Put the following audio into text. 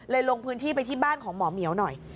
ลงพื้นที่ไปที่บ้านของหมอเหมียวหน่อย